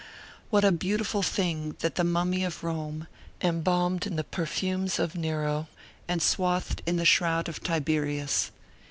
What a beautiful thing that mummy of Rome, embalmed in the perfumes of Nero and swathed in the shroud of Tiberius!